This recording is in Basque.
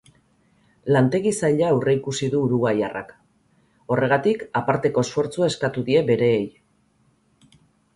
Lantegi zaila aurreikusi du uruguaiarrak, horregatik aparteko esfortzua eskatu die bereei.